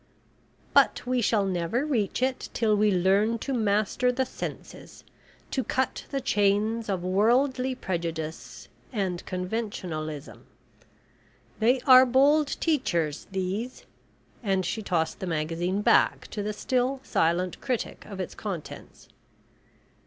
"But we shall never reach it till we learn to master the senses, to cut the chains of worldly prejudice and conventionalism. They are bold teachers, these," and she tossed the magazine back to the still silent critic of its contents.